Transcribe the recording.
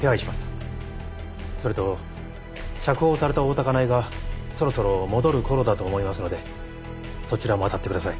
それと釈放された大多香苗がそろそろ戻る頃だと思いますのでそちらもあたってください。